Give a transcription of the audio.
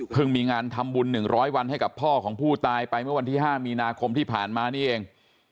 มีงานทำบุญ๑๐๐วันให้กับพ่อของผู้ตายไปเมื่อวันที่๕มีนาคมที่ผ่านมานี่เอง